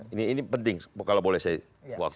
ini penting kalau boleh saya waktu